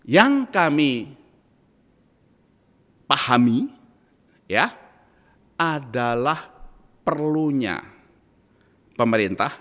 yang kami pahami adalah perlunya pemerintah